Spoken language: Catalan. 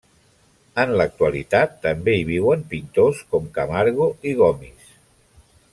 En l'actualitat també hi viuen pintors com Camargo i Gomis.